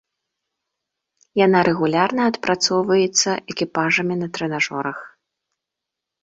Яна рэгулярна адпрацоўваецца экіпажамі на трэнажорах.